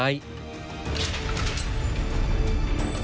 ตำรวจและกลุภัยเข้อตรวจสอบ